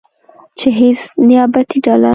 چې هیڅ نیابتي ډله